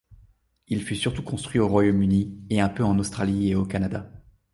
Il fut surtout construit au Royaume-Uni, et un peu en Australie et au Canada.